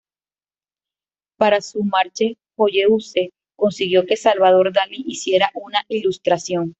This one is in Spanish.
Para su "Marche joyeuse" consiguió que Salvador Dalí hiciera una ilustración.